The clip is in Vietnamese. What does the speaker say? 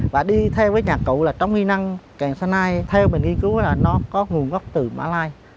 và đi theo với nhà cụ là trong hy năng càng sa nai theo mình nghiên cứu là nó có nguồn gốc từ mã lai